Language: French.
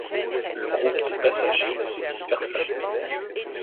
Le groupe des passagers se dispersa.